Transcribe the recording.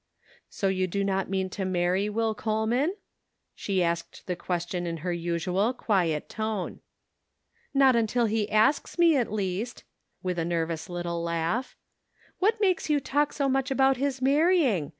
* "So you do not mean to marry Will Coleman ?" She asked the question in her usual, quiet tone. " Not until he asks me, at least," with a nervous little laugh. " What makes you talk so much about his marrying?